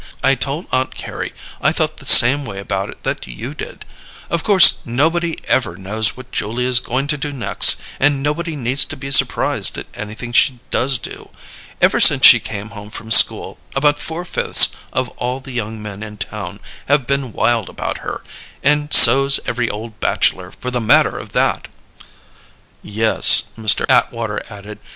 I told Aunt Carrie I thought the same way about it that you did. Of course nobody ever knows what Julia's going to do next, and nobody needs to be surprised at anything she does do. Ever since she came home from school, about four fifths of all the young men in town have been wild about her and so's every old bachelor, for the matter of that!" "Yes," Mr. Atwater added.